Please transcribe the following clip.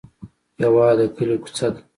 هېواد د کلي کوڅه ده.